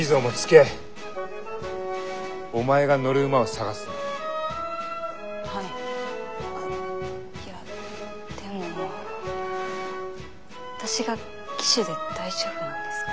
あいやでも私が騎手で大丈夫なんですか？